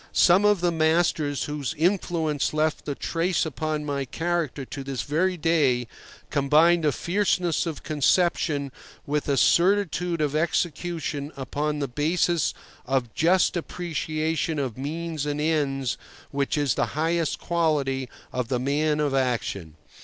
Some of the masters whose influence left a trace upon my character to this very day, combined a fierceness of conception with a certitude of execution upon the basis of just appreciation of means and ends which is the highest quality of the man of action.